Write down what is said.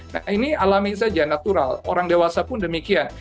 nah ini alami saja natural orang dewasa pun demikian